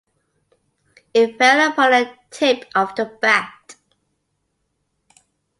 It fell upon the tip of the bat.